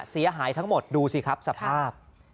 เสียหายทั้งหมดดูสิครับสภาพ